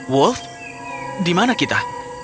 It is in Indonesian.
wolf di mana kita